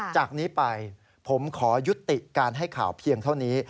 จากนี้ไปผมขอยุติการให้ข่าวเพียงเท่านี้